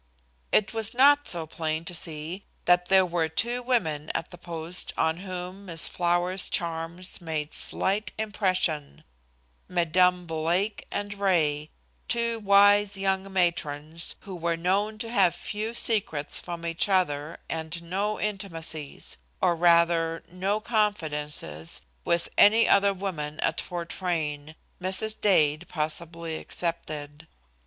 It was not so plain to see that there were two women at the post on whom Miss Flower's charms made slight impression Mesdames Blake and Ray two wise young matrons who were known to have few secrets from each other and no intimacies or rather no confidences with any other woman at Fort Frayne Mrs. Dade possibly excepted.